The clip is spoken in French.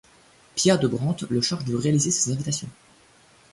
Pia de Brantes le charge de réaliser ses invitations.